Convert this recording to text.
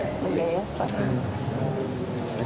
oke ya pak